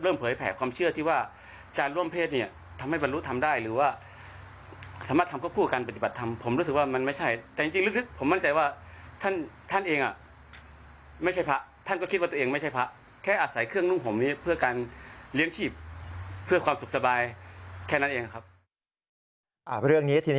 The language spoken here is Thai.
เรื่องนี้ทีนี้เป็นเรื่องที่